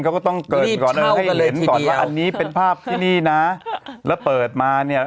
เขาก็ต้องเกิดก่อนเออให้เห็นก่อนว่าอันนี้เป็นภาพที่นี่นะแล้วเปิดมาเนี่ย